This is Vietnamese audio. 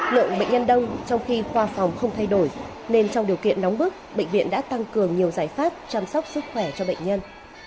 lượng bệnh nhân đông trong khi khoa phòng không thay đổi nên trong điều kiện nóng bức bệnh viện đã tăng cường nhiều giải pháp chăm sóc sức khỏe cho bệnh nhân